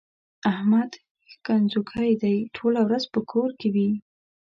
احمد ښځنوکی دی؛ ټوله ورځ په کور کې وي.